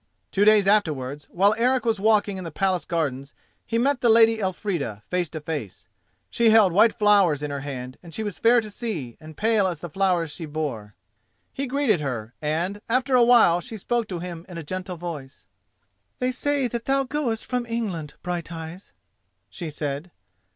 Two days afterwards, while Eric was walking in the Palace gardens he met the Lady Elfrida face to face. She held white flowers in her hand, and she was fair to see and pale as the flowers she bore. He greeted her, and, after a while, she spoke to him in a gentle voice: "They say that thou goest from England, Brighteyes?" she said.